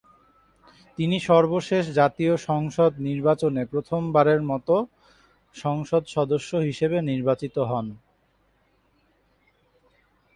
তিনি সর্বশেষ জাতীয় সংসদ নির্বাচনে প্রথমবারের মত সংসদ সদস্য হিসেবে নির্বাচিত হন।